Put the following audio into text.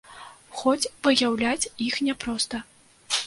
Хоць выяўляць іх няпроста.